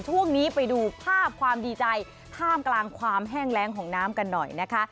ช่วงนี้ไปดูภาพความดีใจท่ามกลางความแห้งแรงของน้ำกันหน่อยนะคะ